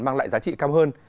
mang lại giá trị cao hơn